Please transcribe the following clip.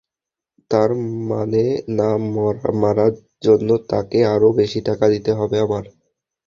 তার মানে না মারার জন্য তোকে আরো বেশি টাকা দিতে হবে আমার।